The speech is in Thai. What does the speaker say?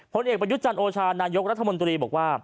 พนธุ์เอกปัญหิตจันทร์โอชารย์นายกรัฐมนตรีบอกว่า